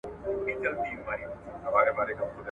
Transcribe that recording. انلاين زده کړه د وخت سره تعقيب کړه.